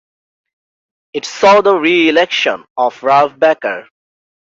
It saw the reelection of Ralph Becker.